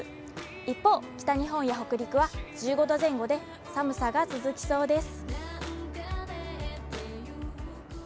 一方、北日本や北陸は１５度前後で寒さが続きそうです。